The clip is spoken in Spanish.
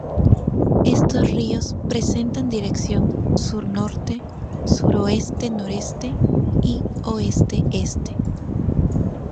Estos ríos presentan dirección sur-norte, suroeste-noreste y oeste-este.